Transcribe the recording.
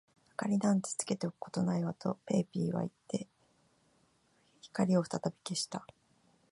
「明りなんかつけておくことはないわ」と、ペーピーはいって、光をふたたび消した。